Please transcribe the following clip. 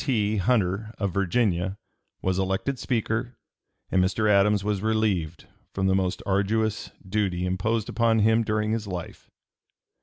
T. Hunter, of Virginia, was elected Speaker, and Mr. Adams was relieved from the most arduous duty imposed upon him during his life.